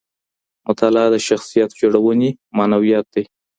مطالعه د شخصیت جوړونې معنويت دی.